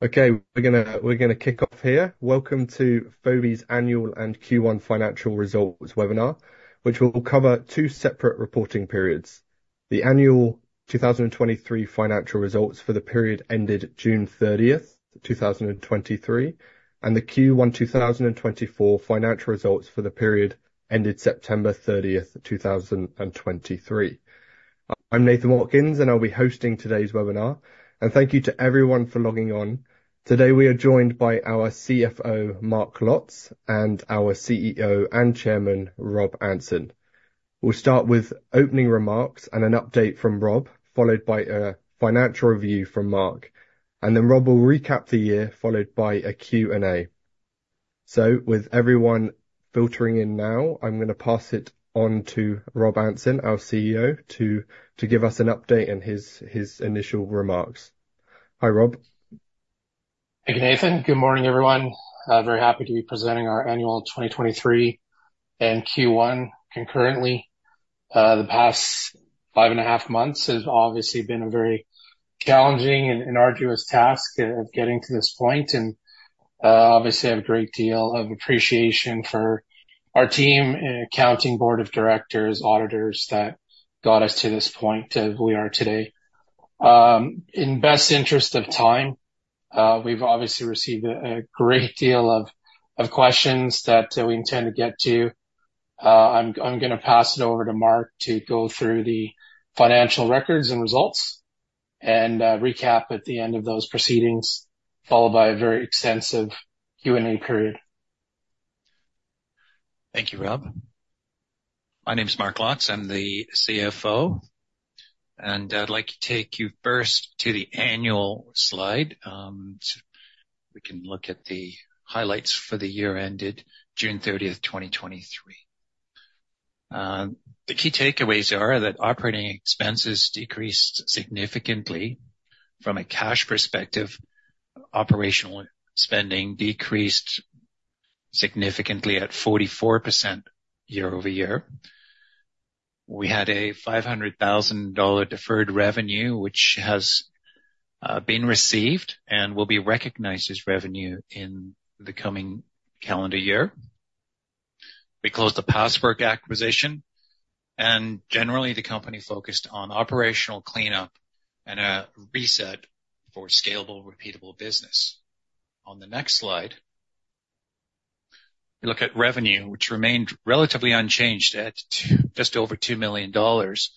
Okay, we're gonna, we're gonna kick off here. Welcome to Fobi's Annual and Q1 Financial Results webinar, which will cover two separate reporting periods: the annual 2023 financial results for the period ended June 30, 2023, and the Q1 2024 financial results for the period ended September 30, 2023. I'm Nathan Watkins, and I'll be hosting today's webinar. Thank you to everyone for logging on. Today, we are joined by our CFO, Mark Lotz, and our CEO and Chairman, Rob Anson. We'll start with opening remarks and an update from Rob, followed by a financial review from Mark, and then Rob will recap the year, followed by a Q&A. With everyone filtering in now, I'm gonna pass it on to Rob Anson, our CEO, to give us an update in his initial remarks. Hi, Rob. Thank you, Nathan. Good morning, everyone. Very happy to be presenting our annual 2023 and Q1 concurrently. The past five and a half months has obviously been a very challenging and arduous task of getting to this point, and obviously, have a great deal of appreciation for our team, accounting board of directors, auditors that got us to this point of who we are today. In best interest of time, we've obviously received a great deal of questions that we intend to get to. I'm gonna pass it over to Mark to go through the financial records and results and recap at the end of those proceedings, followed by a very extensive Q&A period. Thank you, Rob. My name is Mark Lotz. I'm the CFO, and I'd like to take you first to the annual slide. We can look at the highlights for the year ended June 30, 2023. The key takeaways are that operating expenses decreased significantly from a cash perspective. Operational spending decreased significantly at 44% year-over-year. We had a 500,000 dollar deferred revenue, which has been received and will be recognized as revenue in the coming calendar year. We closed the Passworks acquisition, and generally, the company focused on operational cleanup and a reset for scalable, repeatable business. On the next slide, we look at revenue, which remained relatively unchanged at just over 2 million dollars,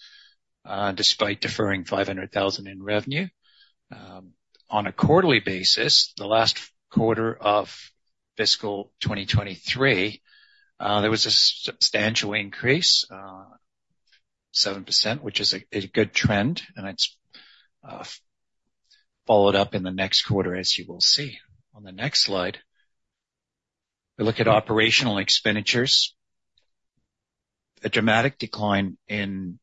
despite deferring 500,000 in revenue. On a quarterly basis, the last quarter of fiscal 2023, there was a substantial increase, 7%, which is a good trend, and it's followed up in the next quarter, as you will see. On the next slide, we look at operational expenditures. A dramatic decline in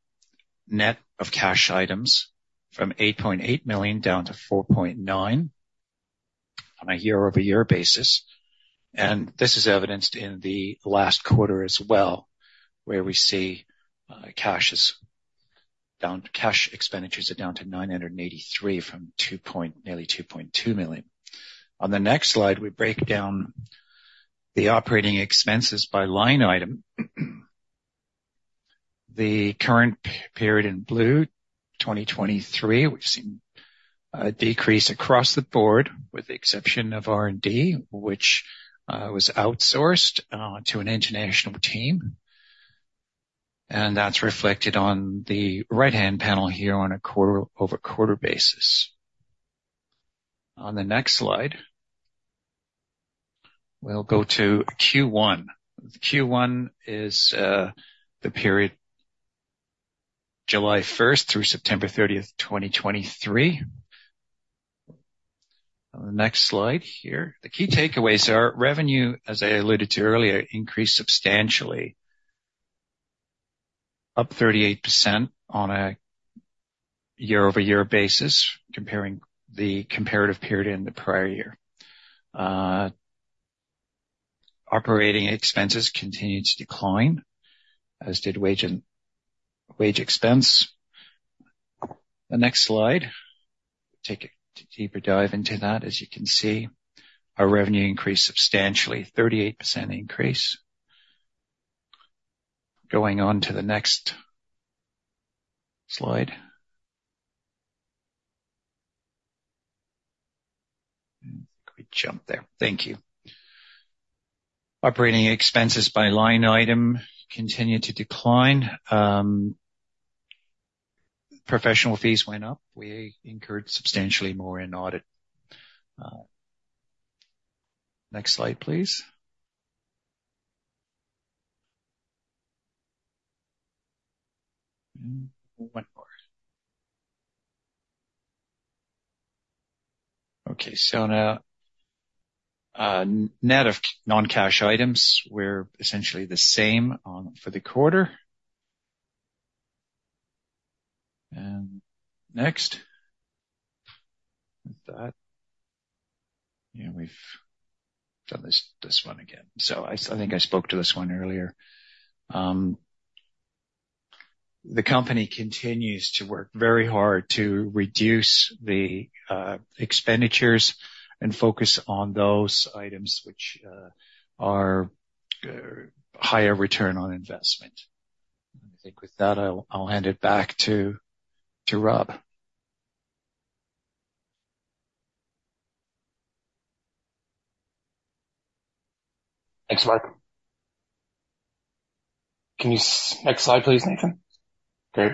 net of cash items from 8.8 million down to 4.9 million on a year-over-year basis, and this is evidenced in the last quarter as well, where we see cash expenditures are down to 983,000 from nearly 2.2 million. On the next slide, we break down the operating expenses by line item. The current period in blue, 2023, we've seen a decrease across the board, with the exception of R&D, which was outsourced to an international team, and that's reflected on the right-hand panel here on a quarter-over-quarter basis. On the next slide, we'll go to Q1. Q1 is the period July 1st through September 30, 2023. On the next slide here, the key takeaways are revenue, as I alluded to earlier, increased substantially, up 38% on a year-over-year basis, comparing the comparative period in the prior year. Operating expenses continued to decline, as did wage and wage expense. The next slide, take a deeper dive into that. As you can see, our revenue increased substantially, 38% increase. Going on to the next slide. Quick jump there. Thank you. Operating expenses by line item continued to decline. Professional fees went up. We incurred substantially more in audit. Next slide, please. One more. Okay, so now, net of non-cash items were essentially the same, for the quarter. And next. With that, yeah, we've done this, this one again. So I think I spoke to this one earlier. The company continues to work very hard to reduce the, expenditures and focus on those items which, are, higher return on investment. I think with that, I'll hand it back to Rob. Thanks, Mark. Can you next slide, please, Nathan? Great.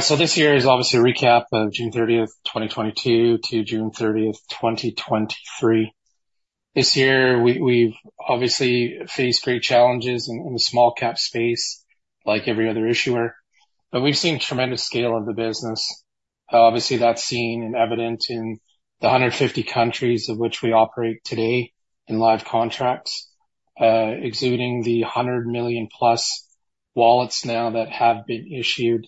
So this year is obviously a recap of June 30th, 2022, to June 30th, 2023. This year, we, we've obviously faced great challenges in the small-cap space, like every other issuer, but we've seen tremendous scale of the business. Obviously, that's seen and evident in the 150 countries of which we operate today in live contracts, including the 100 million-plus wallets now that have been issued.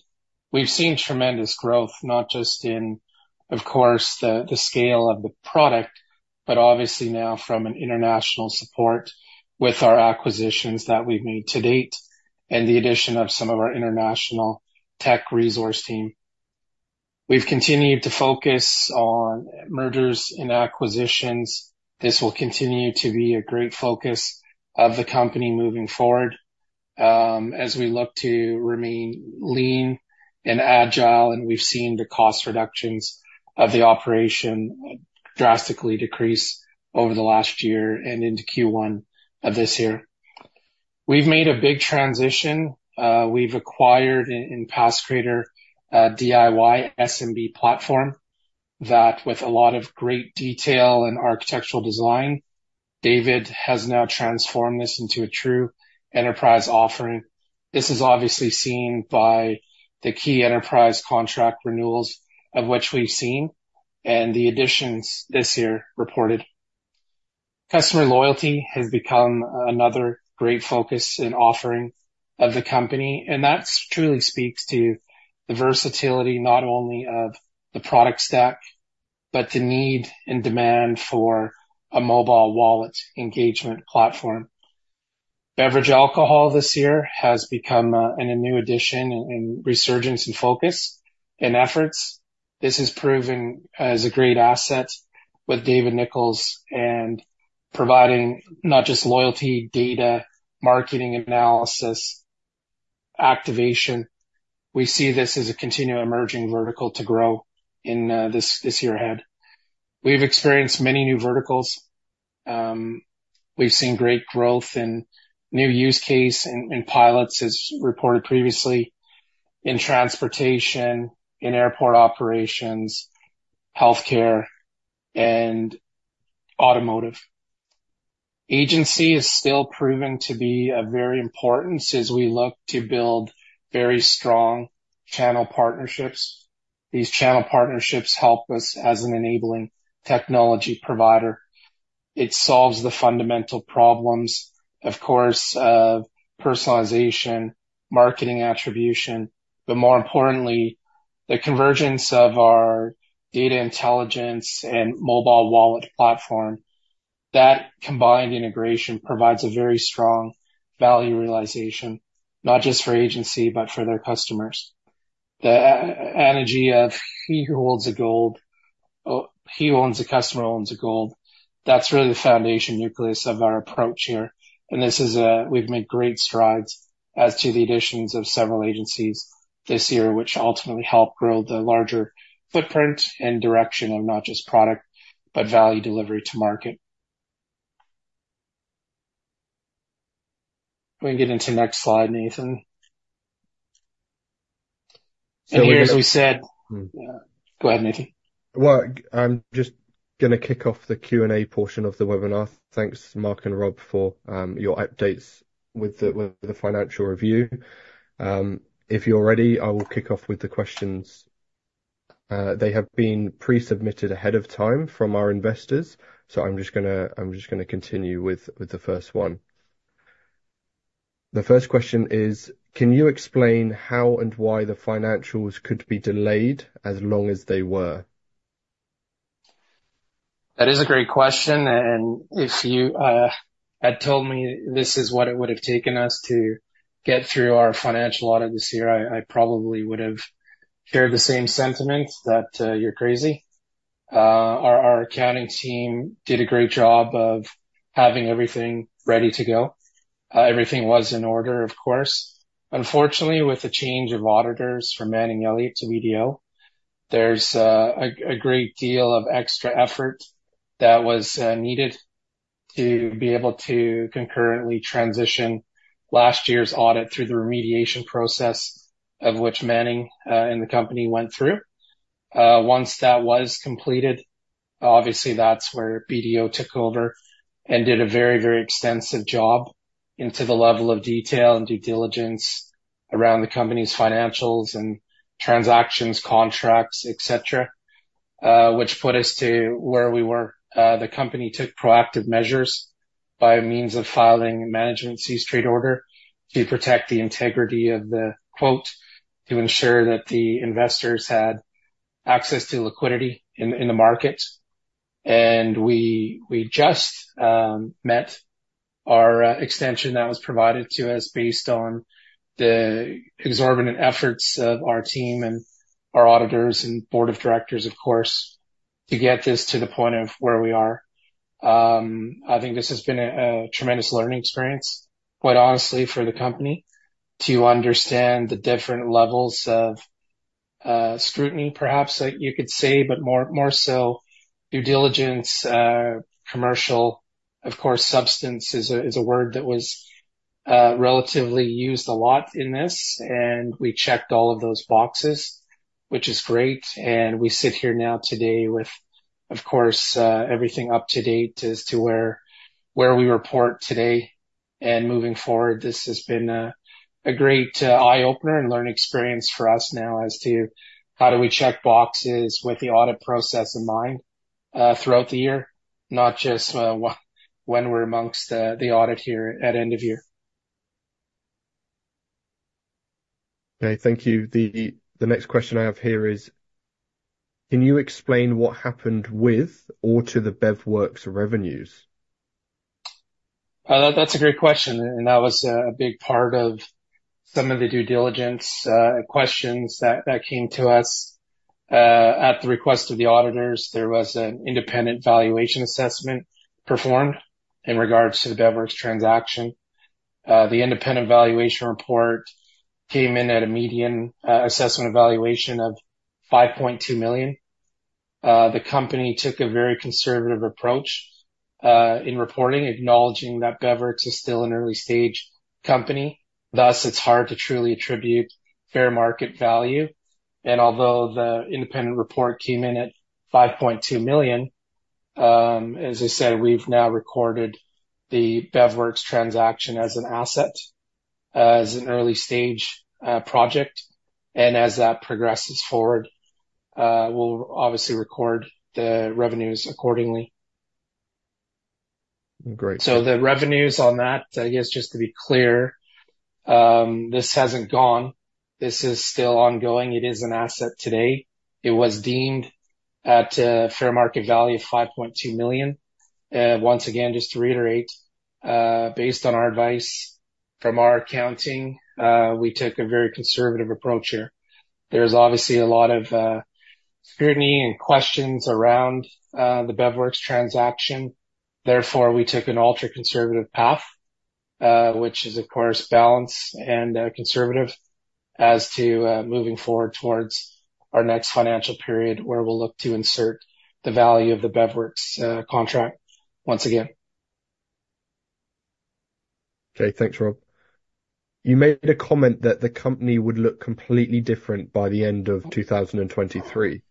We've seen tremendous growth, not just in, of course, the scale of the product, but obviously now from an international support with our acquisitions that we've made to date and the addition of some of our international tech resource team. We've continued to focus on mergers and acquisitions. This will continue to be a great focus of the company moving forward, as we look to remain lean and agile, and we've seen the cost reductions of the operation drastically decrease over the last year and into Q1 of this year. We've made a big transition. We've acquired Passcreator, DIY SMB platform, that with a lot of great detail and architectural design, David has now transformed this into a true enterprise offering. This is obviously seen by the key enterprise contract renewals, of which we've seen, and the additions this year reported. Customer loyalty has become another great focus in offering of the company, and that's truly speaks to the versatility, not only of the product stack, but the need and demand for a mobile wallet engagement platform. Beverage alcohol this year has become a new addition and resurgence in focus and efforts. This has proven as a great asset with David Nicholls and providing not just loyalty, data, marketing analysis, activation. We see this as a continuing emerging vertical to grow in, this year ahead. We've experienced many new verticals. We've seen great growth in new use cases in pilots, as reported previously, in transportation, in airport operations, healthcare, and automotive. Agency is still proven to be very important as we look to build very strong channel partnerships. These channel partnerships help us as an enabling technology provider. It solves the fundamental problems, of course, of personalization, marketing attribution, but more importantly, the convergence of our data intelligence and mobile wallet platform. That combined integration provides a very strong value realization, not just for agency, but for their customers. The adage of he who holds the gold, he who owns the customer, owns the gold. That's really the foundation nucleus of our approach here, and this is. We've made great strides as to the additions of several agencies this year, which ultimately help grow the larger footprint and direction of not just product, but value delivery to market. We can get into the next slide, Nathan. And here, as we said. Go ahead, Nathan. Well, I'm just gonna kick off the Q&A portion of the webinar. Thanks, Mark and Rob, for your updates with the financial review. If you're ready, I will kick off with the questions. They have been pre-submitted ahead of time from our investors, so I'm just gonna, I'm just gonna continue with the first one. The first question is: Can you explain how and why the financials could be delayed as long as they were? That is a great question, and if you had told me this is what it would have taken us to get through our financial audit this year, I, I probably would have shared the same sentiment, that you're crazy. Our accounting team did a great job of having everything ready to go. Everything was in order, of course. Unfortunately, with the change of auditors from Manning Elliott to BDO, there's a great deal of extra effort that was needed to be able to concurrently transition last year's audit through the remediation process, of which Manning and the company went through. Once that was completed, obviously that's where BDO took over and did a very, very extensive job into the level of detail and due diligence around the company's financials and transactions, contracts, et cetera, which put us to where we were. The company took proactive measures by means of filing Management Cease Trade Order to protect the integrity of the quote, to ensure that the investors had access to liquidity in the market. We just met our extension that was provided to us based on the exorbitant efforts of our team and our auditors and board of directors, of course, to get this to the point of where we are. I think this has been a tremendous learning experience, quite honestly, for the company to understand the different levels of scrutiny, perhaps, that you could say, but more so due diligence, commercial. Of course, substance is a word that was relatively used a lot in this, and we checked all of those boxes, which is great. We sit here now today with, of course, everything up to date as to where we report today and moving forward. This has been a great eye-opener and learning experience for us now as to how do we check boxes with the audit process in mind throughout the year, not just when we're amongst the audit here at end of year. Okay, thank you. The next question I have here is, can you explain what happened with or to the BevWorks revenues? That's a great question, and that was a big part of some of the due diligence questions that came to us. At the request of the auditors, there was an independent valuation assessment performed in regards to the BevWorks transaction. The independent valuation report came in at a median assessment valuation of 5.2 million. The company took a very conservative approach in reporting, acknowledging that BevWorks is still an early-stage company, thus, it's hard to truly attribute fair market value. And although the independent report came in at 5.2 million, as I said, we've now recorded the BevWorks transaction as an asset, as an early-stage project, and as that progresses forward, we'll obviously record the revenues accordingly. Great. So the revenues on that, I guess, just to be clear, this hasn't gone. This is still ongoing. It is an asset today. It was deemed at a fair market value of 5.2 million. Once again, just to reiterate, based on our advice from our accounting, we took a very conservative approach here. There's obviously a lot of, scrutiny and questions around, the BevWorks transaction. Therefore, we took an ultra-conservative path, which is of course, balanced and, conservative as to, moving forward towards our next financial period, where we'll look to insert the value of the BevWorks, contract once again. Okay, thanks, Rob. You made a comment that the company would look completely different by the end of 2023.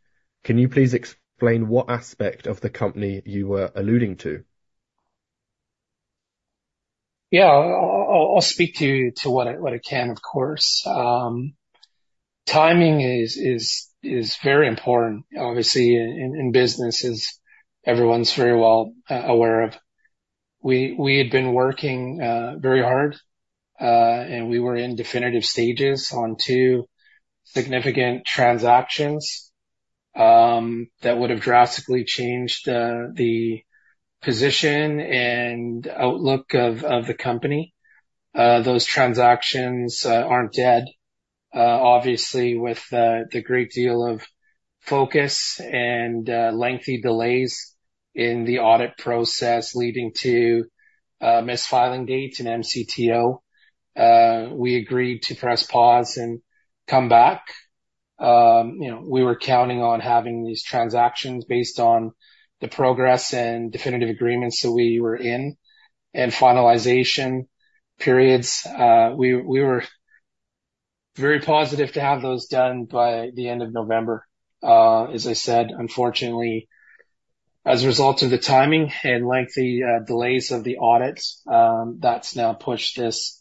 Can you please explain what aspect of the company you were alluding to? Yeah. I'll speak to what I can, of course. Timing is very important, obviously, in business, as everyone's very well aware of. We had been working very hard, and we were in definitive stages on two significant transactions that would have drastically changed the position and outlook of the company. Those transactions aren't dead. Obviously, with the great deal of focus and lengthy delays in the audit process leading to missed filing dates and MCTO, we agreed to press pause and come back. You know, we were counting on having these transactions based on the progress and definitive agreements that we were in and finalization periods. We were very positive to have those done by the end of November. As I said, unfortunately, as a result of the timing and lengthy delays of the audits, that's now pushed us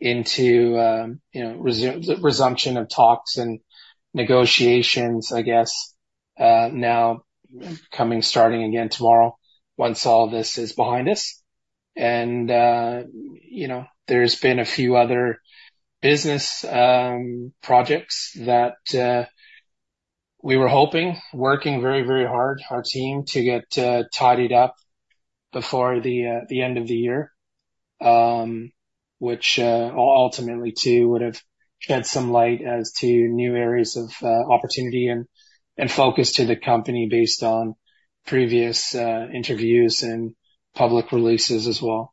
into, you know, resumption of talks and negotiations, I guess, now coming, starting again tomorrow once all this is behind us. And, you know, there's been a few other business projects that we were hoping, working very, very hard, our team, to get tidied up before the end of the year, which, ultimately too, would have shed some light as to new areas of opportunity and focus to the company based on previous interviews and public releases as well.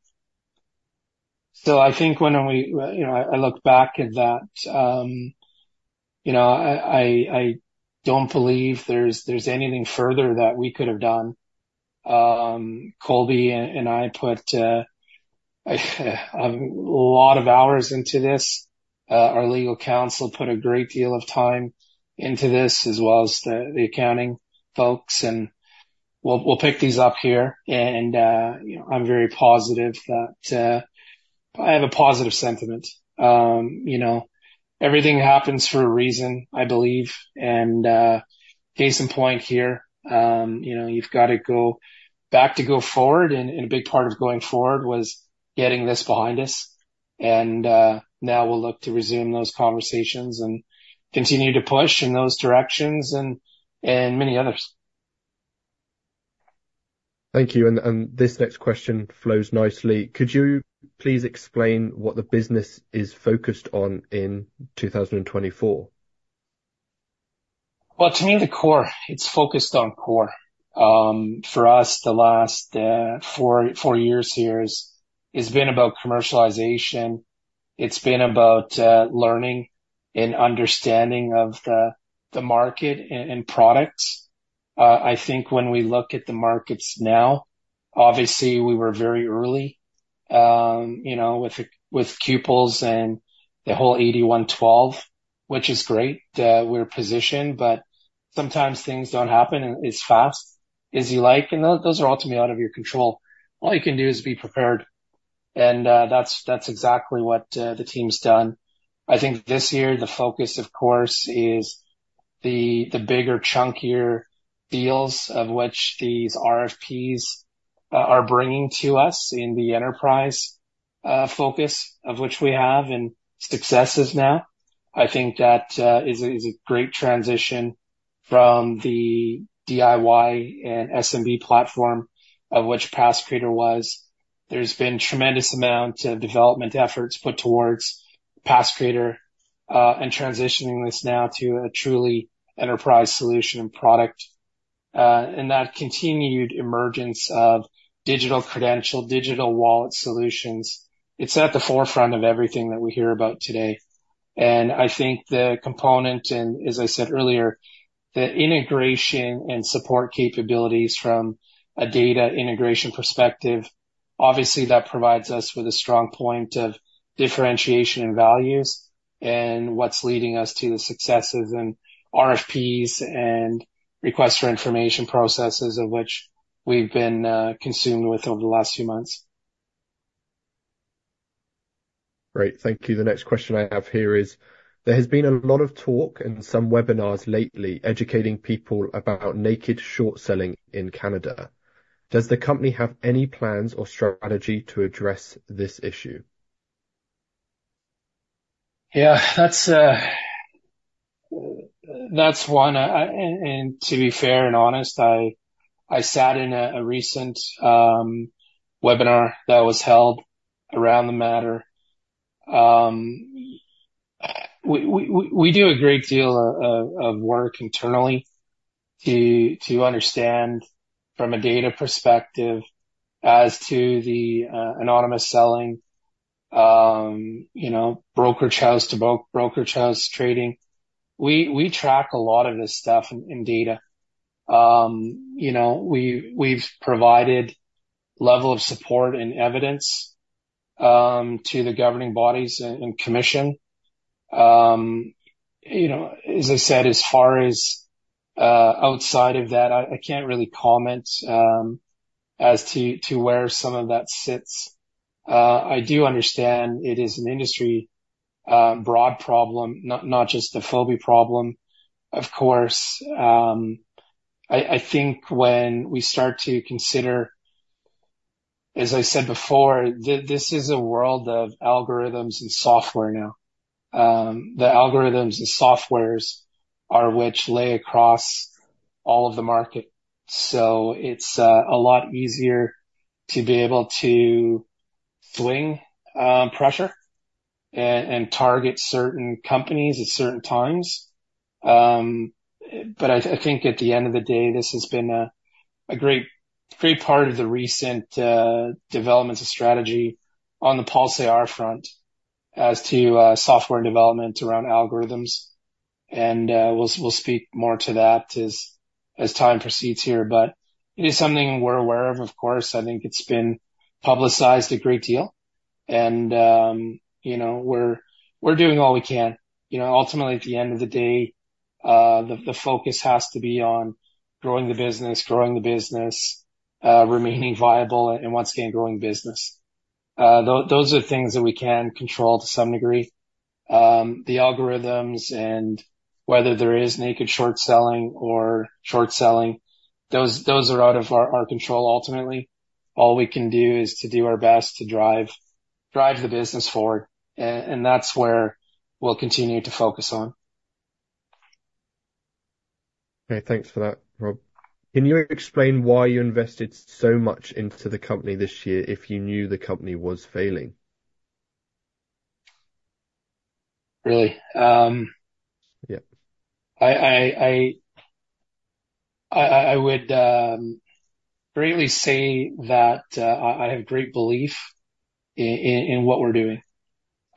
So I think when we. you know, I look back at that, you know, I, I, I don't believe there's anything further that we could have done. Colby and I put a lot of hours into this. Our legal counsel put a great deal of time into this, as well as the accounting folks, and we'll pick these up here. You know, I'm very positive that I have a positive sentiment. You know, everything happens for a reason, I believe, and case in point here, you know, you've got to go back to go forward, and a big part of going forward was getting this behind us. Now we'll look to resume those conversations and continue to push in those directions and many others. Thank you. And this next question flows nicely: Could you please explain what the business is focused on in 2024? Well, to me, the core. It's focused on core. For us, the last four years here is, it's been about commercialization. It's been about learning and understanding of the market and products. I think when we look at the markets now, obviously, we were very early, you know, with Qples and the whole 8112, which is great, we're positioned, but sometimes things don't happen as fast as you like, and those are ultimately out of your control. All you can do is be prepared, and that's exactly what the team's done. I think this year, the focus, of course, is the bigger, chunkier deals of which these RFPs are bringing to us in the enterprise focus, of which we have and successes now. I think that is a great transition from the DIY and SMB platform, of which Passcreator was. There's been tremendous amount of development efforts put towards Passcreator, and transitioning this now to a truly enterprise solution and product. And that continued emergence of digital credential, digital wallet solutions, it's at the forefront of everything that we hear about today. And I think the component and as I said earlier, the integration and support capabilities from a data integration perspective, obviously, that provides us with a strong point of differentiation and values, and what's leading us to the successes and RFPs and requests for information processes, of which we've been consumed with over the last few months. Great. Thank you. The next question I have here is, there has been a lot of talk in some webinars lately, educating people about naked short selling in Canada. Does the company have any plans or strategy to address this issue? Yeah, that's one, and to be fair and honest, I sat in a recent webinar that was held around the matter. We do a great deal of work internally to understand from a data perspective as to the anonymous selling, you know, broker house to broker house trading. We track a lot of this stuff in data. You know, we've provided level of support and evidence to the governing bodies and commission. You know, as I said, as far as outside of that, I can't really comment as to where some of that sits. I do understand it is an industry broad problem, not just a Fobi problem. Of course, I think when we start to consider, as I said before, this is a world of algorithms and software now. The algorithms and softwares are which lay across all of the market. So it's a lot easier to be able to swing pressure and target certain companies at certain times. But I think at the end of the day, this has been a great great part of the recent developments and strategy on the IR front as to software development around algorithms. And we'll speak more to that as time proceeds here, but it is something we're aware of, of course. I think it's been publicized a great deal, and you know, we're doing all we can. You know, ultimately, at the end of the day, the focus has to be on growing the business, growing the business, remaining viable, and once again, growing business. Those are things that we can control to some degree. The algorithms and whether there is naked short selling or short selling, those are out of our control ultimately. All we can do is to do our best to drive, drive the business forward, and that's where we'll continue to focus on. Okay, thanks for that, Rob. Can you explain why you invested so much into the company this year if you knew the company was failing? Really? Um. Yeah. I would greatly say that I have great belief in what we're doing.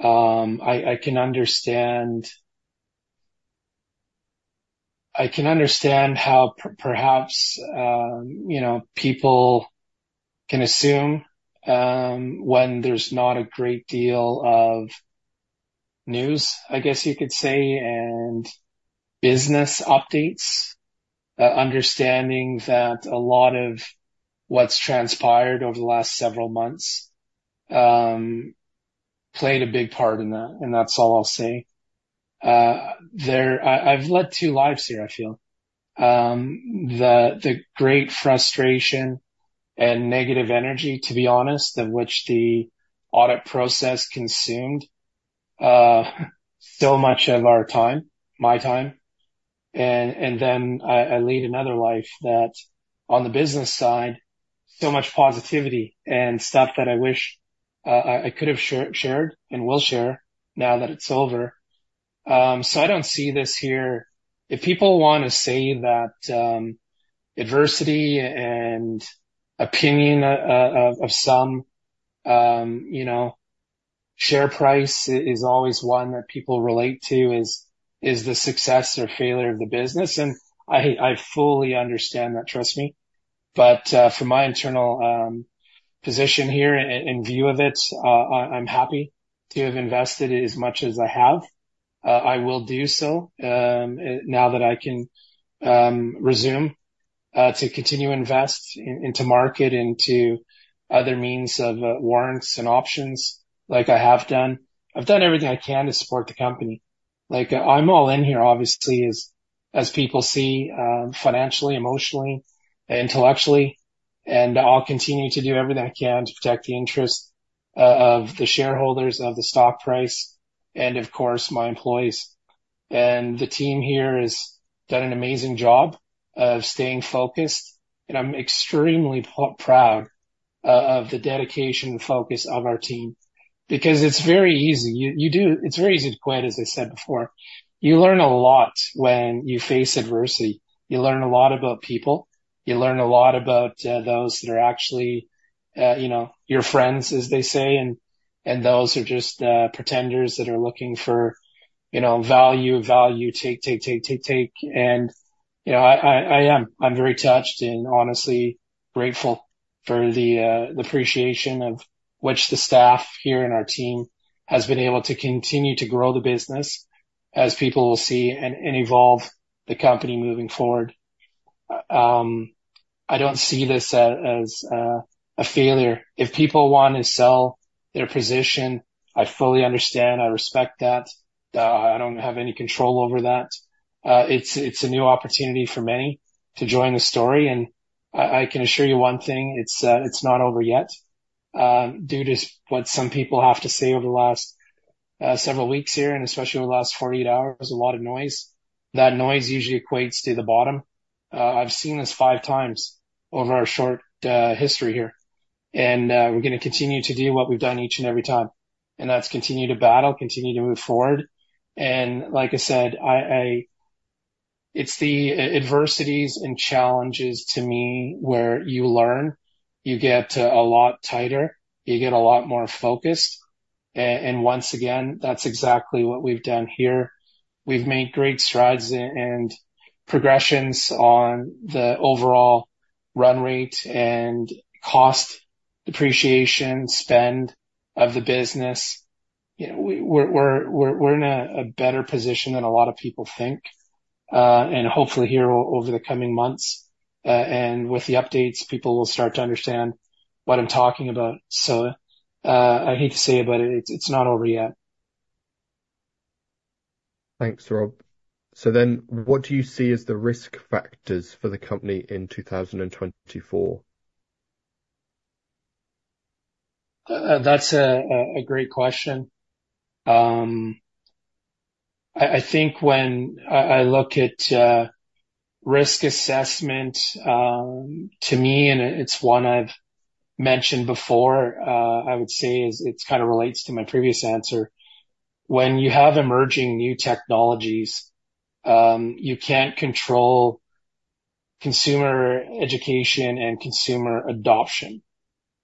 I can understand. I can understand how perhaps, you know, people can assume, when there's not a great deal of news, I guess you could say, and business updates, understanding that a lot of what's transpired over the last several months played a big part in that, and that's all I'll say. I've led two lives here, I feel. The great frustration and negative energy, to be honest, in which the audit process consumed so much of our time, my time, and then I lead another life that on the business side, so much positivity and stuff that I wish I could have shared and will share now that it's over. So, I don't see this here. If people wanna say that, adversity and opinion of some, you know, share price is always one that people relate to, is the success or failure of the business, and I fully understand that, trust me. But, from my internal position here and view of it, I'm happy to have invested as much as I have. I will do so, now that I can resume to continue to invest into market, into other means of warrants and options like I have done. I've done everything I can to support the company. Like, I'm all in here, obviously, as people see, financially, emotionally, intellectually, and I'll continue to do everything I can to protect the interest of the shareholders, of the stock price, and of course, my employees. And the team here has done an amazing job of staying focused, and I'm extremely proud of the dedication and focus of our team. Because it's very easy. It's very easy to quit, as I said before. You learn a lot when you face adversity. You learn a lot about people, you learn a lot about those that are actually your friends, as they say, and those are just pretenders that are looking for, you know, value, value, take, take, take, take, take. And, you know, I am. I'm very touched and honestly grateful for the, the appreciation of which the staff here and our team has been able to continue to grow the business, as people will see, and, and evolve the company moving forward. I don't see this as, as, a failure. If people want to sell their position, I fully understand, I respect that. I don't have any control over that. It's, it's a new opportunity for many to join the story, and I, I can assure you one thing, it's, it's not over yet. Due to what some people have to say over the last, several weeks here, and especially over the last 48 hours, a lot of noise. That noise usually equates to the bottom. I've seen this five times over our short history here, and we're gonna continue to do what we've done each and every time, and that's continue to battle, continue to move forward. And like I said, it's the adversities and challenges to me, where you learn, you get a lot tighter, you get a lot more focused. And once again, that's exactly what we've done here. We've made great strides and progressions on the overall run rate and cost depreciation, spend of the business. You know, we're in a better position than a lot of people think. And hopefully here over the coming months and with the updates, people will start to understand what I'm talking about. So, I hate to say it, but it's not over yet. Thanks, Rob. So then, what do you see as the risk factors for the company in 2024? That's a great question. I think when I look at risk assessment, to me, and it's one I've mentioned before, I would say it kind of relates to my previous answer. When you have emerging new technologies, you can't control consumer education and consumer adoption.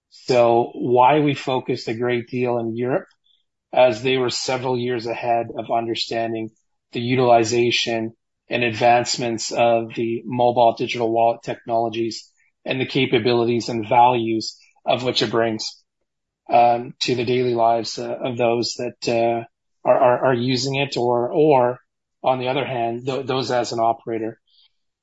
So why we focused a great deal in Europe, as they were several years ahead of understanding the utilization and advancements of the mobile digital wallet technologies, and the capabilities and values of which it brings, to the daily lives of those that are using it, or on the other hand, those as an operator.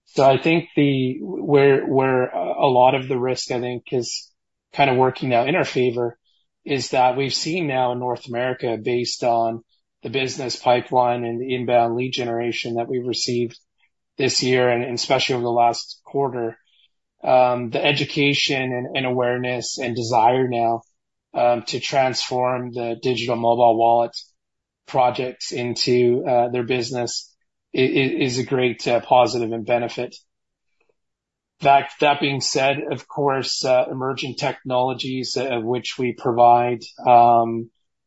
So I think where a lot of the risk, I think, is kind of working out in our favor, is that we've seen now in North America, based on the business pipeline and the inbound lead generation that we've received this year, and especially over the last quarter, the education and awareness and desire now to transform the digital mobile wallet projects into their business, is a great positive and benefit. That being said, of course, emerging technologies which we provide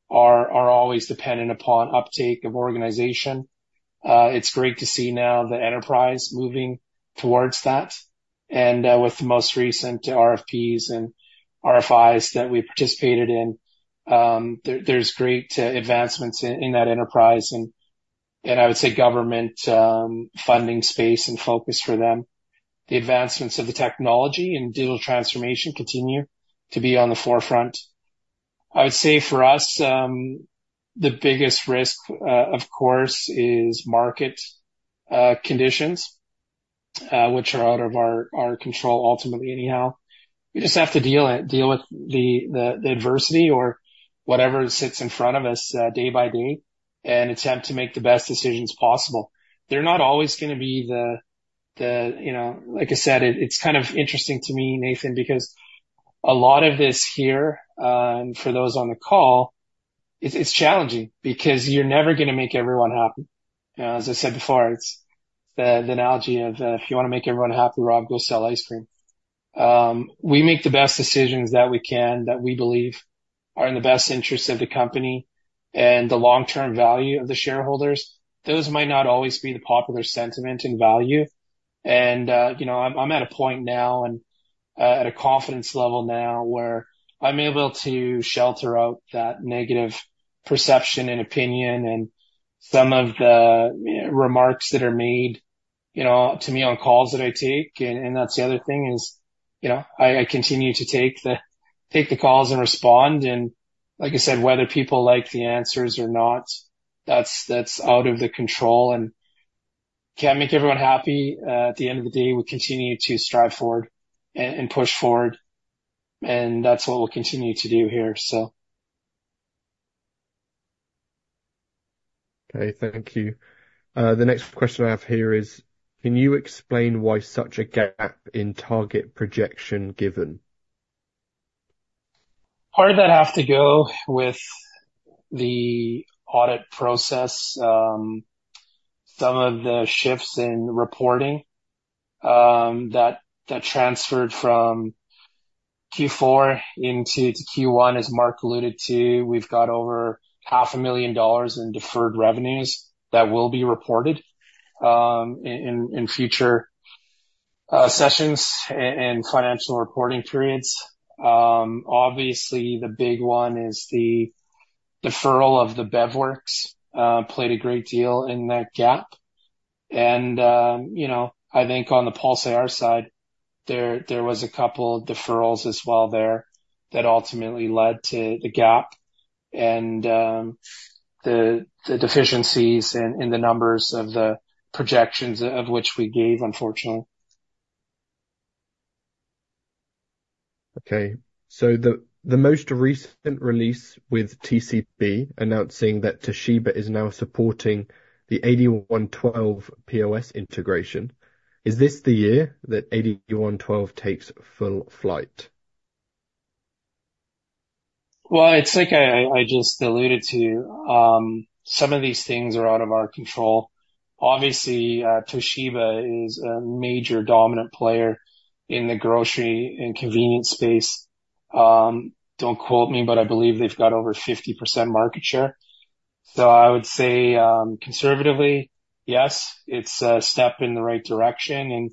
are always dependent upon uptake of organization. It's great to see now the enterprise moving towards that, and with the most recent RFPs and RFIs that we participated in, there's great advancements in that enterprise, and I would say government funding space and focus for them. The advancements of the technology and digital transformation continue to be on the forefront. I would say for us, the biggest risk, of course, is market conditions, which are out of our control ultimately anyhow. We just have to deal with the adversity or whatever sits in front of us day by day, and attempt to make the best decisions possible. They're not always gonna be the, you know. Like I said, it's kind of interesting to me, Nathan, because a lot of this here, and for those on the call, it's challenging because you're never gonna make everyone happy. As I said before, it's the analogy of, if you wanna make everyone happy, Rob, go sell ice cream. We make the best decisions that we can, that we believe are in the best interest of the company and the long-term value of the shareholders. Those might not always be the popular sentiment and value. And, you know, I'm, I'm at a point now and, at a confidence level now where I'm able to shelter out that negative perception and opinion and some of the, remarks that are made, you know, to me on calls that I take. And, and that's the other thing is, you know, I, I continue to take the, take the calls and respond, and like I said, whether people like the answers or not, that's, that's out of the control, and can't make everyone happy. At the end of the day, we continue to strive forward and, and push forward, and that's what we'll continue to do here, so. Okay, thank you. The next question I have here is, can you explain why such a gap in target projection given? Part of that has to go with the audit process. Some of the shifts in reporting that transferred from Q4 into Q1, as Mark alluded to. We've got over 500,000 dollars in deferred revenues that will be reported in future sessions and financial reporting periods. Obviously, the big one is the deferral of the BevWorks played a great deal in that gap. And, you know, I think on the PulseIRA side, there was a couple deferrals as well there, that ultimately led to the gap and the deficiencies in the numbers of the projections of which we gave, unfortunately. Okay. So the most recent release with TCB announcing that Toshiba is now supporting the 8112 POS integration, is this the year that 8112 takes full flight? Well, it's like I just alluded to. Some of these things are out of our control. Obviously, Toshiba is a major dominant player in the grocery and convenience space. Don't quote me, but I believe they've got over 50% market share. So I would say, conservatively, yes, it's a step in the right direction, and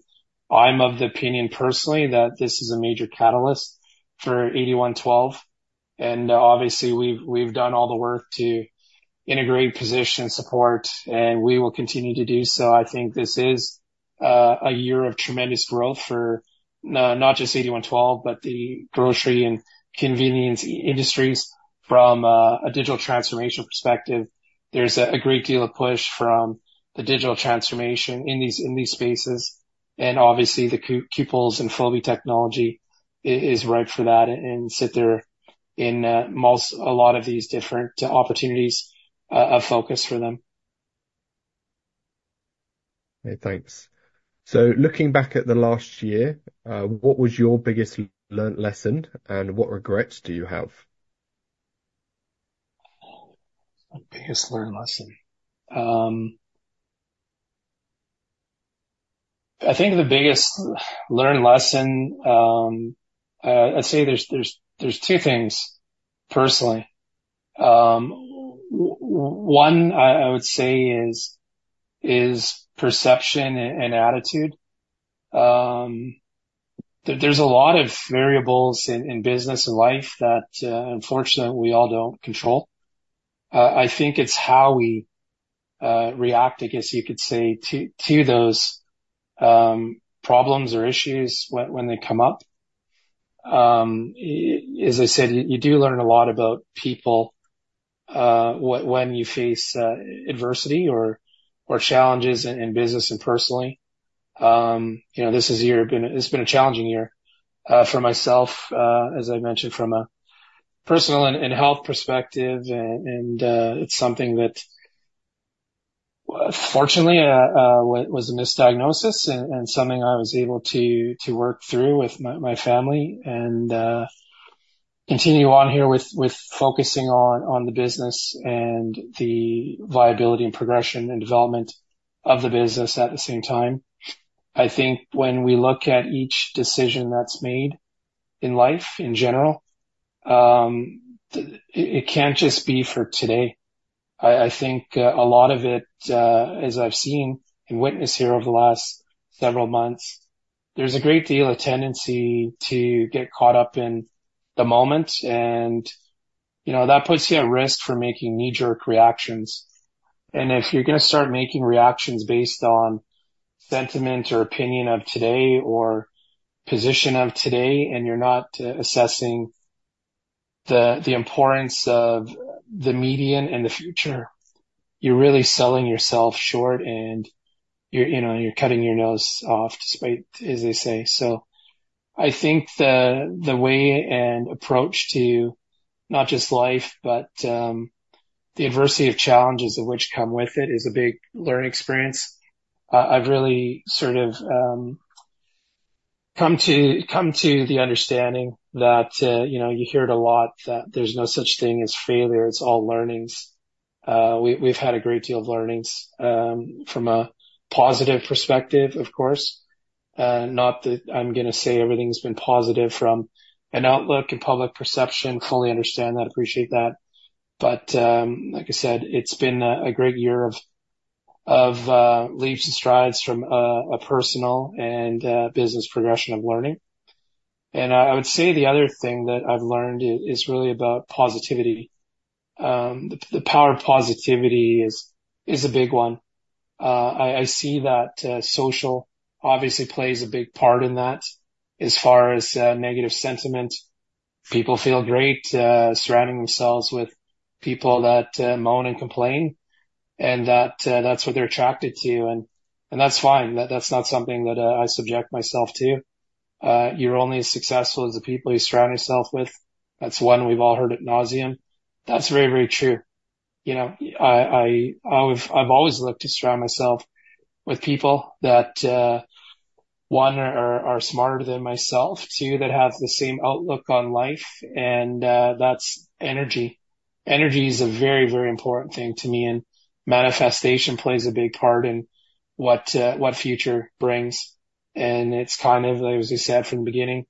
I'm of the opinion personally, that this is a major catalyst for 8112. And obviously, we've done all the work to integrate, position, support, and we will continue to do so. I think this is a year of tremendous growth for not just 8112, but the grocery and convenience industries from a digital transformation perspective. There's a great deal of push from the digital transformation in these spaces, and obviously, the Qples and Fobi technology is right for that, and sit there in most a lot of these different opportunities of focus for them. Okay, thanks. So looking back at the last year, what was your biggest learned lesson, and what regrets do you have? My biggest learned lesson. I think the biggest learned lesson, I'd say there's two things personally. One, I would say is perception and attitude. There's a lot of variables in business and life that, unfortunately, we all don't control. I think it's how we react, I guess you could say, to those problems or issues when they come up. As I said, you do learn a lot about people when you face adversity or challenges in business and personally. You know, this is a year, been a, it's been a challenging year for myself, as I mentioned, from a personal and health perspective, and it's something that, fortunately, was a misdiagnosis and something I was able to work through with my family and continue on here with focusing on the business and the viability and progression and development of the business at the same time. I think when we look at each decision that's made in life in general, it can't just be for today. I think a lot of it, as I've seen and witnessed here over the last several months, there's a great deal of tendency to get caught up in the moment and, you know, that puts you at risk for making knee-jerk reactions. If you're gonna start making reactions based on sentiment or opinion of today or position of today, and you're not assessing the importance of the median and the future, you're really selling yourself short, and you're, you know, you're cutting your nose off despite, as they say. So I think the way and approach to not just life, but the adversity of challenges of which come with it, is a big learning experience. I've really sort of come to the understanding that, you know, you hear it a lot, that there's no such thing as failure, it's all learnings. We've had a great deal of learnings from a positive perspective, of course. Not that I'm gonna say everything's been positive from an outlook and public perception. Fully understand that, appreciate that. But, like I said, it's been a great year of leaps and strides from a personal and business progression of learning. I would say the other thing that I've learned is really about positivity. The power of positivity is a big one. I see that social obviously plays a big part in that. As far as negative sentiment, people feel great surrounding themselves with people that moan and complain, and that's what they're attracted to, and that's fine. That's not something that I subject myself to. You're only as successful as the people you surround yourself with. That's one we've all heard ad nauseam. That's very, very true. You know, I've always looked to surround myself with people that one, are smarter than myself. Two, that have the same outlook on life, and that's energy. Energy is a very, very important thing to me, and manifestation plays a big part in what future brings. And it's kind of, as you said from the beginning,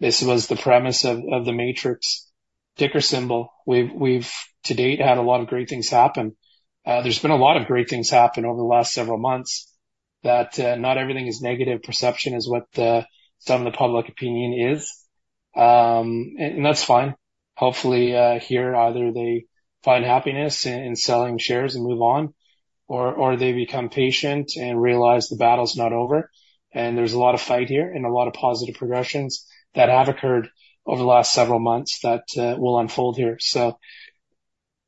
this was the premise of the Matrix ticker symbol. We've to date, had a lot of great things happen. There's been a lot of great things happen over the last several months that not everything is negative perception, is what some of the public opinion is. And that's fine. Hopefully, here, either they find happiness in selling shares and move on, or they become patient and realize the battle's not over, and there's a lot of fight here and a lot of positive progressions that have occurred over the last several months that will unfold here. So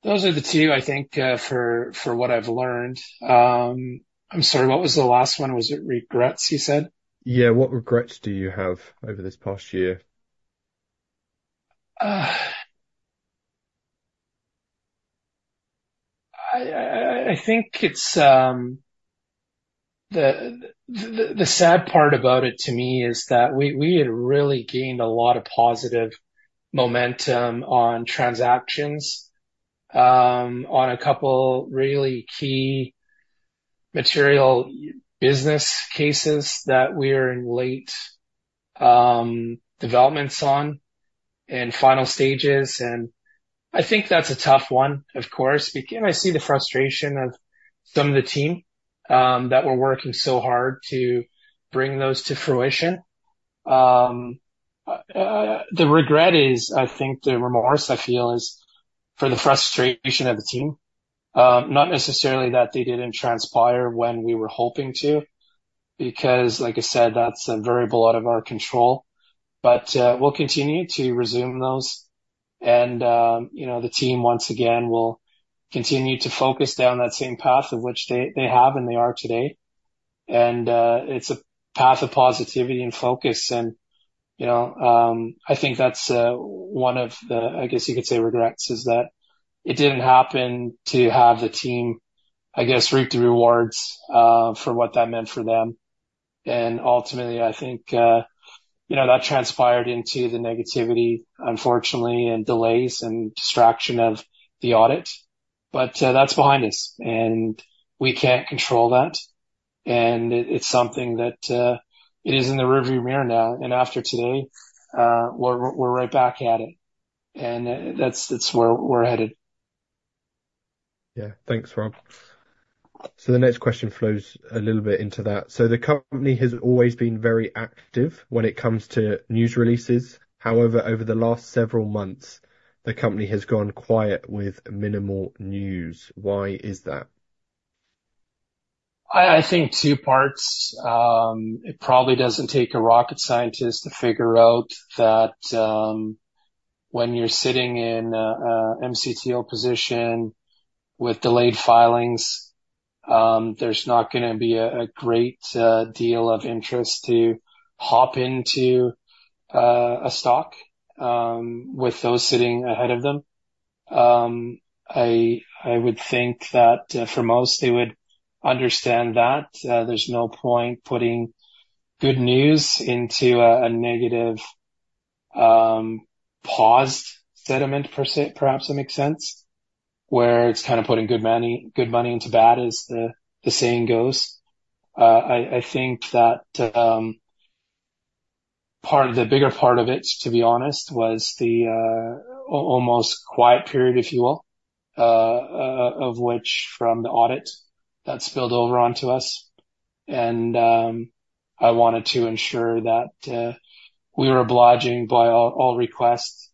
those are the two, I think, for what I've learned. I'm sorry, what was the last one? Was it regrets, you said? Yeah. What regrets do you have over this past year? I think it's the sad part about it to me is that we had really gained a lot of positive momentum on transactions on a couple really key material business cases that we are in late developments on and final stages, and I think that's a tough one, of course, because I see the frustration of some of the team that we're working so hard to bring those to fruition. The regret is, I think the remorse I feel is for the frustration of the team not necessarily that they didn't transpire when we were hoping to, because, like I said, that's a variable out of our control. But we'll continue to resume those, and you know, the team, once again, will continue to focus down that same path of which they have, and they are today. And it's a path of positivity and focus, and you know, I think that's one of the, I guess you could say, regrets, is that it didn't happen to have the team, I guess, reap the rewards for what that meant for them. And ultimately, I think you know, that transpired into the negativity, unfortunately, and delays and distraction of the audit. But that's behind us, and we can't control that, and it's something that it is in the rearview mirror now, and after today, we're right back at it, and that's where we're headed. Yeah. Thanks, Rob. So the next question flows a little bit into that. So the company has always been very active when it comes to news releases. However, over the last several months, the company has gone quiet with minimal news. Why is that? I think two parts. It probably doesn't take a rocket scientist to figure out that, when you're sitting in a MCTO position with delayed filings, there's not gonna be a great deal of interest to hop into a stock with those sitting ahead of them. I would think that, for most, they would understand that, there's no point putting good news into a negative paused sentiment, per se, perhaps that makes sense, where it's kind of putting good money, good money into bad, as the saying goes. I think that the bigger part of it, to be honest, was the almost quiet period, if you will, of which from the audit that spilled over onto us, and I wanted to ensure that we were obliging by all requests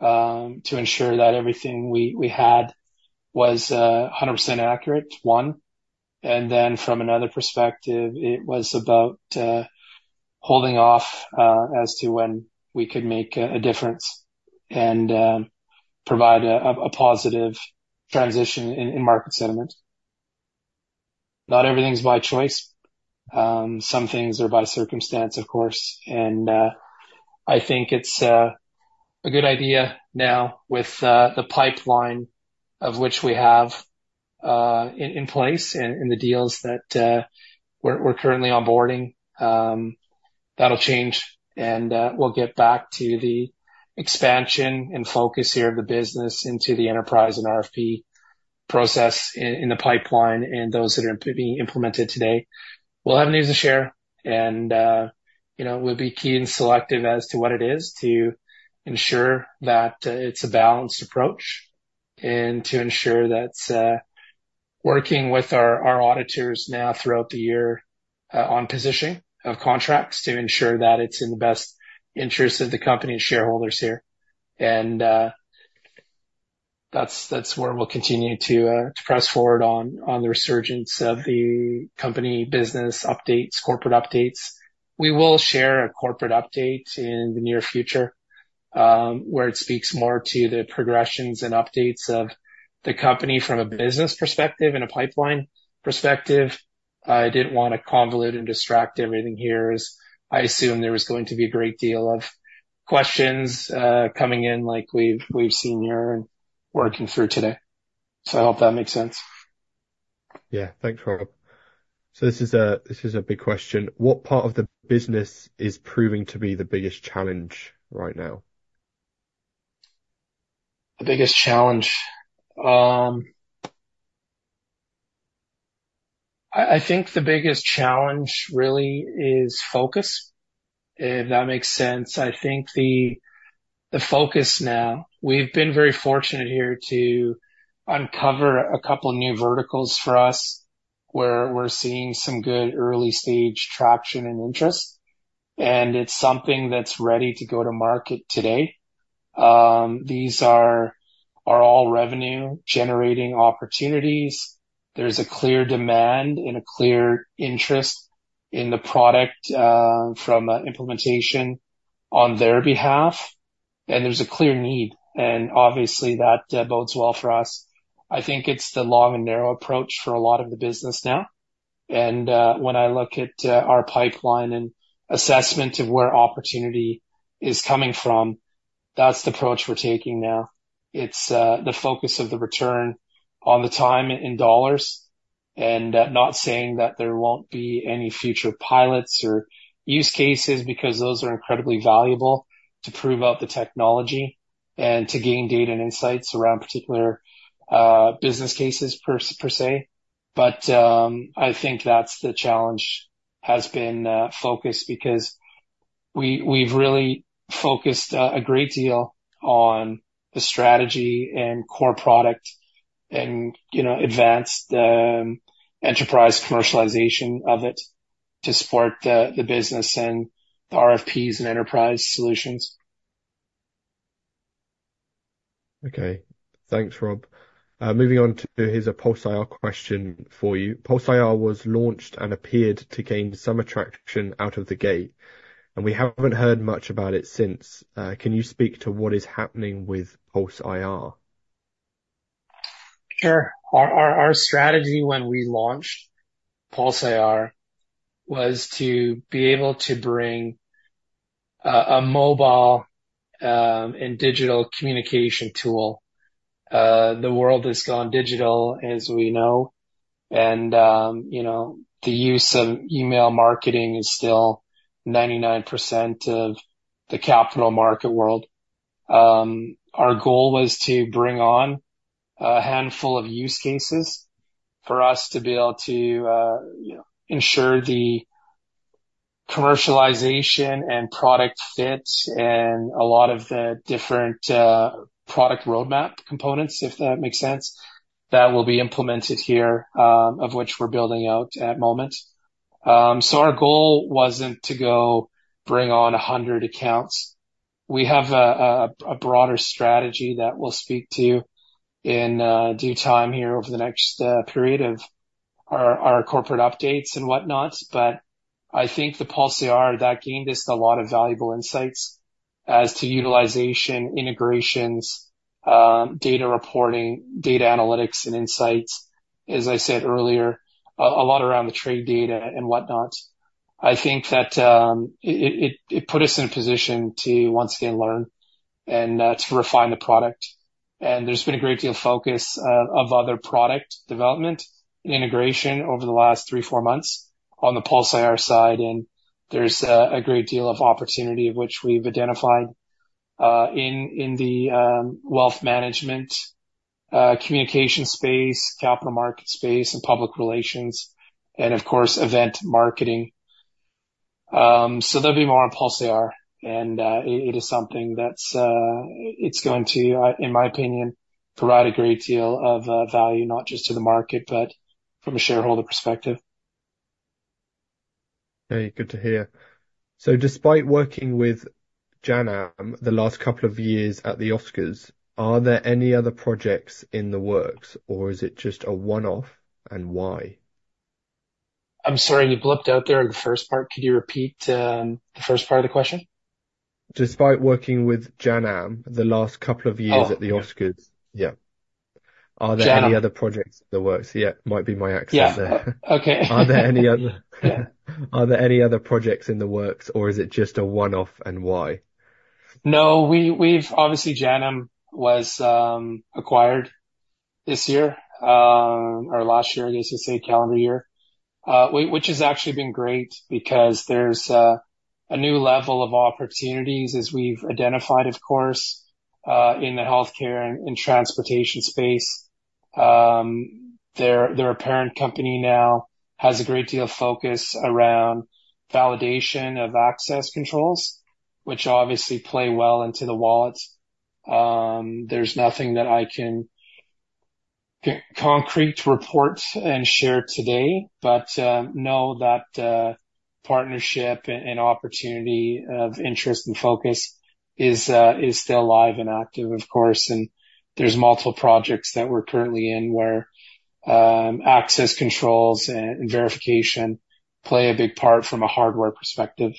to ensure that everything we had was 100% accurate. And then from another perspective, it was about holding off as to when we could make a difference and provide a positive transition in market sentiment. Not everything's by choice, some things are by circumstance, of course, and I think it's a good idea now with the pipeline of which we have in place and in the deals that we're currently onboarding. That'll change and we'll get back to the expansion and focus here of the business into the enterprise and RFP process in the pipeline, and those that are being implemented today. We'll have news to share and you know, we'll be key and selective as to what it is to ensure that it's a balanced approach, and to ensure that working with our auditors now throughout the year on positioning of contracts to ensure that it's in the best interest of the company and shareholders here. That's where we'll continue to press forward on the resurgence of the company business updates, corporate updates. We will share a corporate update in the near future, where it speaks more to the progressions and updates of the company from a business perspective and a pipeline perspective. I didn't want to convolute and distract everything here, as I assumed there was going to be a great deal of questions coming in, like we've seen here and working through today. So I hope that makes sense. Yeah. Thanks, Rob. So this is a, this is a big question: What part of the business is proving to be the biggest challenge right now? The biggest challenge, I think the biggest challenge really is focus, if that makes sense. I think the focus now, we've been very fortunate here to uncover a couple new verticals for us, where we're seeing some good early-stage traction and interest, and it's something that's ready to go to market today. These are all revenue-generating opportunities. There's a clear demand and a clear interest in the product, from an implementation on their behalf, and there's a clear need, and obviously that bodes well for us. I think it's the long and narrow approach for a lot of the business now, and when I look at our pipeline and assessment of where opportunity is coming from, that's the approach we're taking now. It's the focus of the return on the time in dollars, and not saying that there won't be any future pilots or use cases, because those are incredibly valuable to prove out the technology and to gain data and insights around particular business cases per se, per se. But I think that's the challenge, has been focus, because we, we've really focused a great deal on the strategy and core product and, you know, advanced enterprise commercialization of it to support the business and the RFPs and enterprise solutions. Okay. Thanks, Rob. Moving on to, here's a PulseIRA question for you. PulseIRA was launched and appeared to gain some attraction out of the gate, and we haven't heard much about it since. Can you speak to what is happening with PulseIRA? Sure. Our strategy when we launched PulseIRA was to be able to bring a mobile and digital communication tool. The world has gone digital, as we know, and, you know, the use of email marketing is still 99% of the capital market world. Our goal was to bring on a handful of use cases for us to be able to, you know, ensure the commercialization and product fit and a lot of the different product roadmap components, if that makes sense, that will be implemented here, of which we're building out at the moment. So our goal wasn't to go bring on 100 accounts. We have a broader strategy that we'll speak to in due time here over the next period of our corporate updates and what not. But I think the PulseIRA, that gained us a lot of valuable insights as to utilization, integrations, data reporting, data analytics and insights. As I said earlier, a lot around the trade data and whatnot. I think that it put us in a position to once again learn and to refine the product. And there's been a great deal of focus of other product development and integration over the last three, four months on the PulseIRA side, and there's a great deal of opportunity of which we've identified in the wealth management communication space, capital market space, and public relations, and of course, event marketing. So there'll be more on PulseIRA, and it is something that's... It's going to, in my opinion, provide a great deal of value, not just to the market, but from a shareholder perspective. Hey, good to hear. So despite working with Janam the last couple of years at the Oscars, are there any other projects in the works, or is it just a one-off, and why? I'm sorry, you blipped out there in the first part. Could you repeat the first part of the question? Despite working with Janam the last couple of years- Oh. At the Oscars. Yeah. Janam. Are there any other projects in the works? Yeah, might be my accent there. Yeah. Okay. Are there any other projects in the works, or is it just a one-off, and why? No, we've obviously, Janam was acquired this year, or last year, I guess, to say, calendar year. Which has actually been great because there's a new level of opportunities as we've identified, of course, in the healthcare and transportation space. Their parent company now has a great deal of focus around validation of access controls, which obviously play well into the wallets. There's nothing that I can concretely report and share today, but know that partnership and opportunity of interest and focus is still live and active, of course, and there's multiple projects that we're currently in where access controls and verification play a big part from a hardware perspective.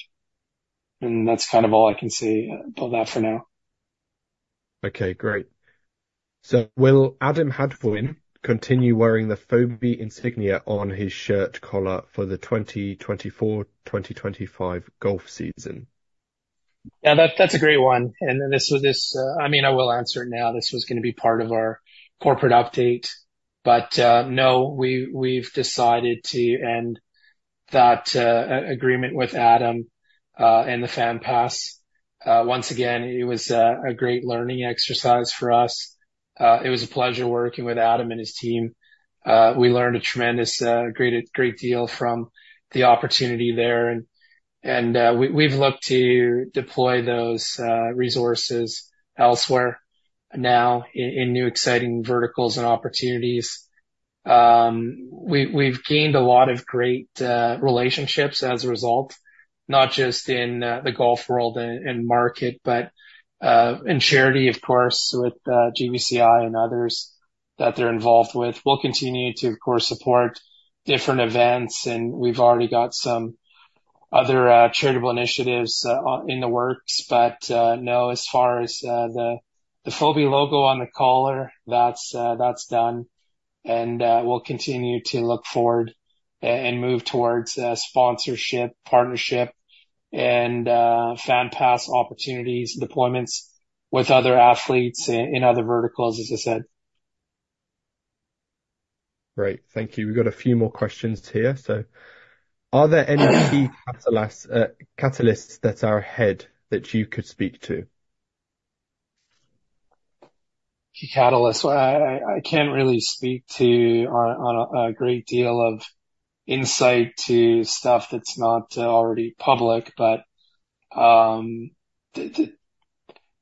That's kind of all I can say on that for now. Okay, great. So will Adam Hadwin continue wearing the Fobi insignia on his shirt collar for the 2024/2025 golf season? Yeah, that's a great one. And then, this was. I mean, I will answer it now. This was gonna be part of our corporate update, but no, we've decided to end that agreement with Adam and the FanPass. Once again, it was a great learning exercise for us. It was a pleasure working with Adam and his team. We learned a tremendous great great deal from the opportunity there, and we've looked to deploy those resources elsewhere now in new exciting verticals and opportunities. We've gained a lot of great relationships as a result, not just in the golf world and market, but in charity, of course, with GVCI and others that they're involved with. We'll continue to, of course, support different events, and we've already got some other charitable initiatives in the works. But no, as far as the Fobi logo on the collar, that's done, and we'll continue to look forward and move towards sponsorship, partnership, and FanPass opportunities, deployments with other athletes in other verticals, as I said. Great. Thank you. We've got a few more questions here. So are there any key catalysts that are ahead that you could speak to? Key catalysts. Well, I can't really speak to a great deal of insight to stuff that's not already public, but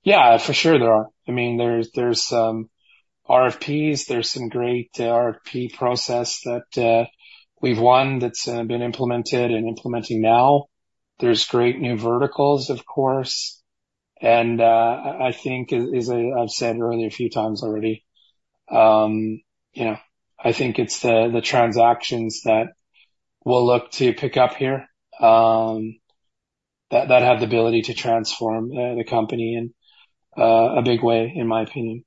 yeah, for sure there are. I mean, there's some RFPs, there's some great RFP process that we've won, that's been implemented and implementing now. There's great new verticals, of course, and I think, as I've said earlier a few times already, you know, I think it's the transactions that we'll look to pick up here that have the ability to transform the company in a big way, in my opinion.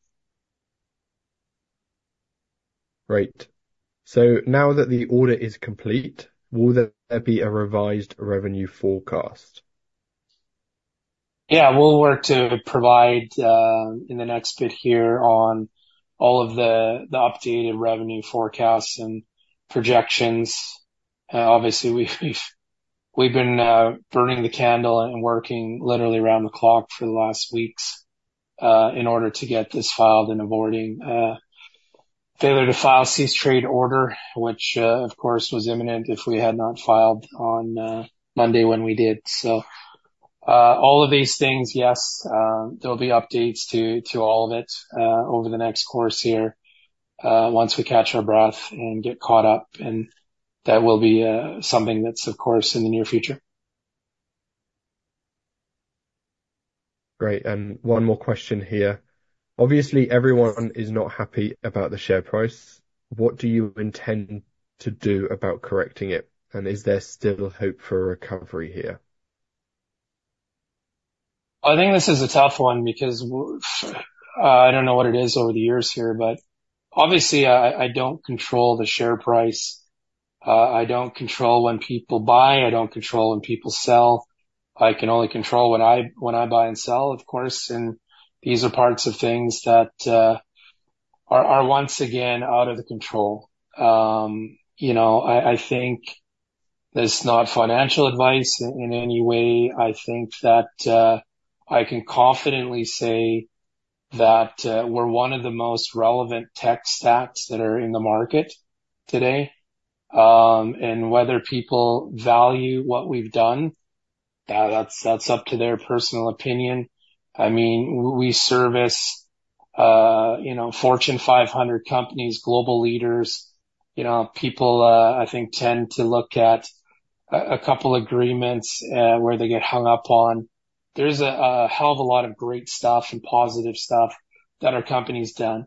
Great. So now that the audit is complete, will there be a revised revenue forecast? Yeah, we'll work to provide in the next bit here on all of the updated revenue forecasts and projections. Obviously, we've been burning the candle and working literally around the clock for the last weeks in order to get this filed and avoiding failure to file Cease Trade Order, which of course was imminent if we had not filed on Monday, when we did. So all of these things, yes, there'll be updates to all of it over the next course here once we catch our breath and get caught up, and that will be something that's of course in the near future. Great. One more question here: Obviously, everyone is not happy about the share price. What do you intend to do about correcting it, and is there still hope for a recovery here? I think this is a tough one because I don't know what it is over the years here, but obviously I don't control the share price. I don't control when people buy, I don't control when people sell. I can only control when I buy and sell, of course, and these are parts of things that are once again out of the control. You know, I think it's not financial advice in any way. I think that I can confidently say that we're one of the most relevant tech stacks that are in the market today. And whether people value what we've done. Yeah, that's up to their personal opinion. I mean, we service, you know, Fortune 500 companies, global leaders. You know, people, I think tend to look at a couple agreements where they get hung up on. There's a hell of a lot of great stuff and positive stuff that our company's done.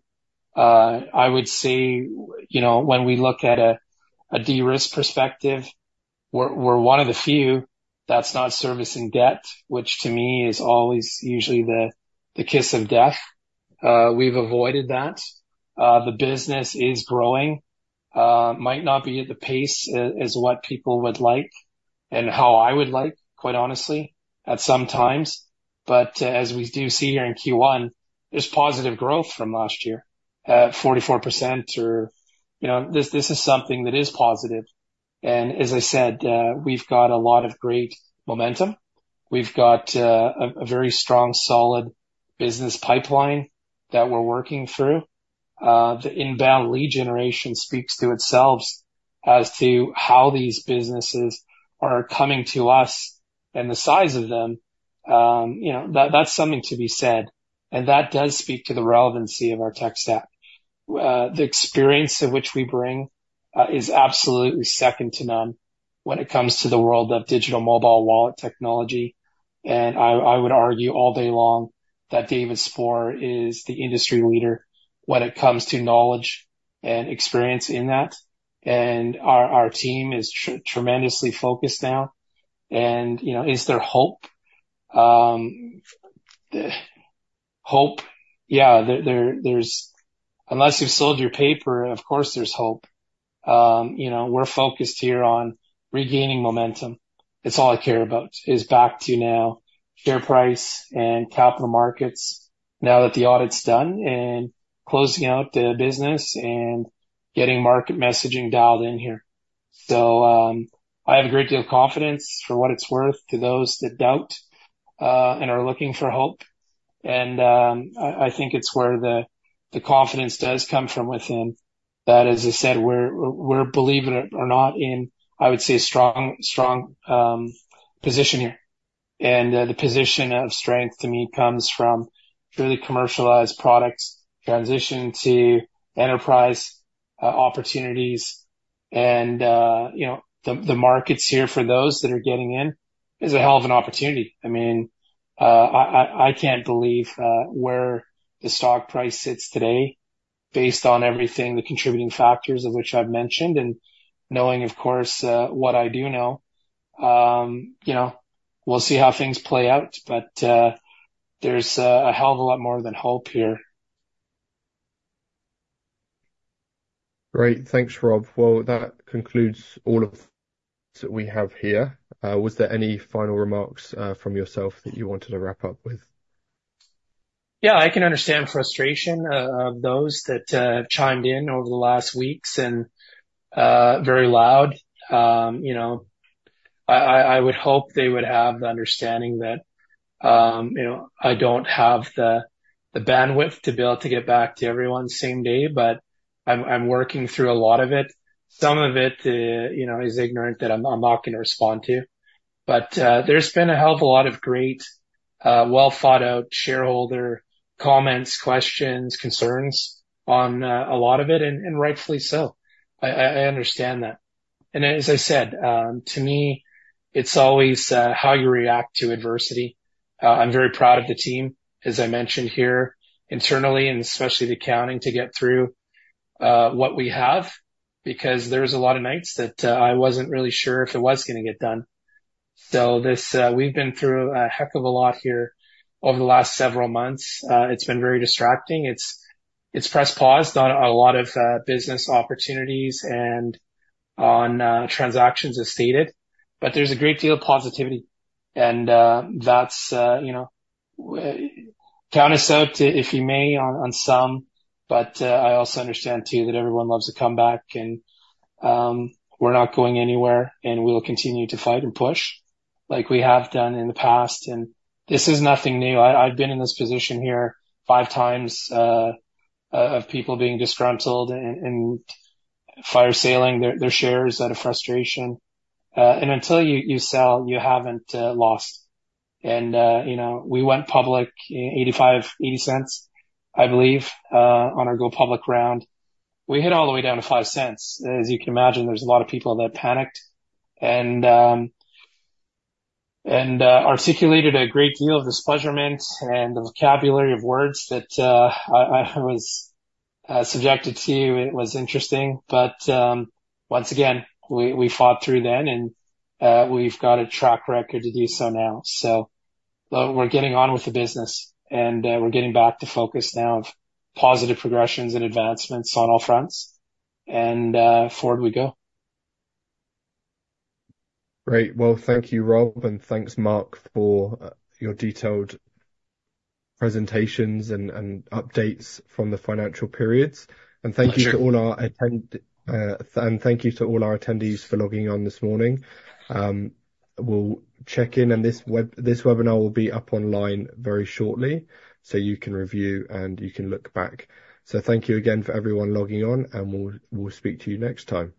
I would say, you know, when we look at a de-risk perspective, we're one of the few that's not servicing debt, which to me is always usually the kiss of death. We've avoided that. The business is growing, might not be at the pace as what people would like and how I would like, quite honestly, at some times. But, as we do see here in Q1, there's positive growth from last year, at 44% or. You know, this is something that is positive. And as I said, we've got a lot of great momentum. We've got a very strong, solid business pipeline that we're working through. The inbound lead generation speaks to itself as to how these businesses are coming to us and the size of them. You know, that's something to be said, and that does speak to the relevancy of our tech stack. The experience of which we bring is absolutely second to none when it comes to the world of digital mobile wallet technology, and I would argue all day long that David Sporer is the industry leader when it comes to knowledge and experience in that. And our team is tremendously focused now. And, you know, is there hope? Hope? Yeah, there's, unless you've sold your paper, of course, there's hope. You know, we're focused here on regaining momentum. It's all I care about, is back to now share price and capital markets now that the audit's done and closing out the business and getting market messaging dialed in here. So, I have a great deal of confidence for what it's worth to those that doubt, and are looking for hope. And, I think it's where the confidence does come from within. That, as I said, we're, believe it or not, in, I would say, a strong, strong, position here. And, the position of strength to me comes from truly commercialized products, transition to enterprise, opportunities. And, you know, the markets here for those that are getting in is a hell of an opportunity. I mean, I can't believe where the stock price sits today based on everything, the contributing factors of which I've mentioned, and knowing, of course, what I do know. You know, we'll see how things play out, but there's a hell of a lot more than hope here. Great. Thanks, Rob. Well, that concludes all of that we have here. Was there any final remarks from yourself that you wanted to wrap up with? Yeah, I can understand the frustration of those that chimed in over the last weeks and very loud. You know, I would hope they would have the understanding that you know, I don't have the bandwidth to be able to get back to everyone the same day, but I'm working through a lot of it. Some of it you know, is ignorant, that I'm not gonna respond to. But there's been a hell of a lot of great well-thought-out shareholder comments, questions, concerns on a lot of it, and rightfully so. I understand that. And as I said, to me, it's always how you react to adversity. I'm very proud of the team, as I mentioned here, internally and especially the accounting, to get through what we have, because there was a lot of nights that I wasn't really sure if it was gonna get done. So this, we've been through a heck of a lot here over the last several months. It's been very distracting. It's, it's pressed pause on a lot of business opportunities and on transactions as stated, but there's a great deal of positivity, and that's, you know, count us out, if you may, on, on some, but I also understand too, that everyone loves a comeback and we're not going anywhere, and we will continue to fight and push like we have done in the past. And this is nothing new. I've been in this position here five times of people being disgruntled and fire-saling their shares out of frustration. And until you sell, you haven't lost. And you know, we went public, 0.85, 0.80, I believe, on our go public round. We hit all the way down to 0.05. As you can imagine, there's a lot of people that panicked and articulated a great deal of displeasure and the vocabulary of words that I was subjected to. It was interesting, but once again, we fought through then, and we've got a track record to do so now. So but we're getting on with the business and we're getting back to focus now of positive progressions and advancements on all fronts, and forward we go. Great. Well, thank you, Rob, and thanks, Mark, for your detailed presentations and updates from the financial periods. My pleasure. Thank you to all our attendees for logging on this morning. We'll check in, and this webinar will be up online very shortly, so you can review, and you can look back. Thank you again for everyone logging on, and we'll speak to you next time.